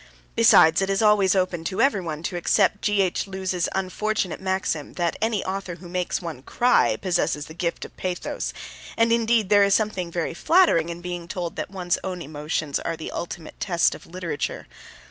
Besides, it is always open to every one to accept G. H. Lewes's unfortunate maxim that any author who makes one cry possesses the gift of pathos and, indeed, there is something very flattering in being told that one's own emotions are the ultimate test of literature.